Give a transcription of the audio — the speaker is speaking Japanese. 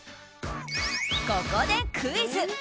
ここでクイズ！